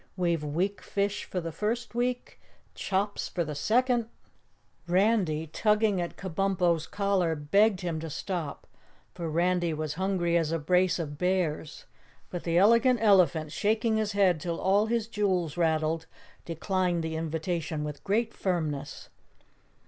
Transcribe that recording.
"We've weak fish for the first week, chops for the second " Randy, tugging at Kabumpo's collar, begged him to stop, for Randy was hungry as a brace of bears, but the Elegant Elephant, shaking his head till all his jewels rattled, declined the invitation with great firmness.